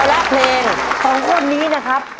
แอลและเพลงของคนนี้นะครับ